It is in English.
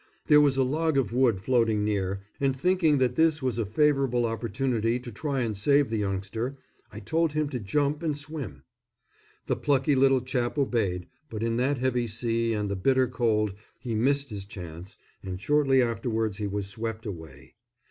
There was a log of wood floating near, and thinking that this was a favourable opportunity to try and save the youngster, I told him to jump and swim. The plucky little chap obeyed, but in that heavy sea and the bitter cold he missed his chance, and shortly afterwards he was swept away.